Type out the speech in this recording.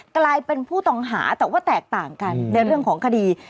กลายเป็นผู้ต้องหาแต่ว่าแตกต่างกันในเรื่องของคดี